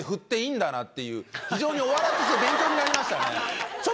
非常にお笑いとして勉強になりましたね。